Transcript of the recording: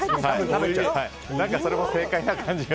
それも正解な感じが。